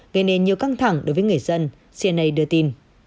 gây nên nhiều căng thẳng đối với người dân cni đưa tin